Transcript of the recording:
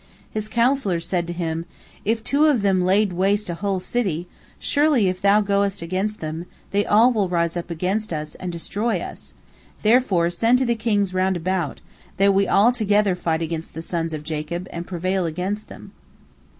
His counsellors said to him: "If two of them laid waste a whole city, surely if thou goest against them, they all will rise up against us, and destroy us. Therefore, send to the kings round about, that we all together fight against the sons of Jacob, and prevail against them."